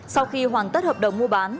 sau khi hoàn tất hợp đồng mua bán